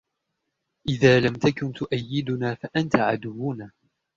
إذا لم تكن تؤيدنا فأنت عدونا.